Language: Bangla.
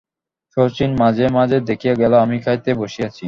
শচীশ মাঝে মাঝে দেখিয়া গেল আমি খাইতে বসিয়াছি।